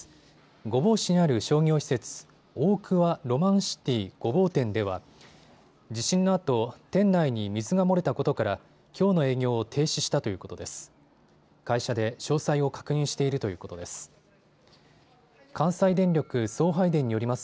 御坊市にある商業施設、オークワロマンシティ御坊店では地震のあと店内に水が漏れたことからきょうの営業を停止したということです。